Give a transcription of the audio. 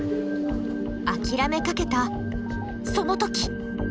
あきらめかけたその時。